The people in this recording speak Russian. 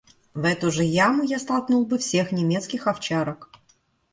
В эту же яму я столкнул бы всех немецких овчарок.